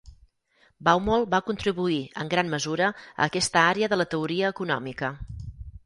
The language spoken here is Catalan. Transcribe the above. Baumol va contribuir en gran mesura a aquesta àrea de la teoria econòmica.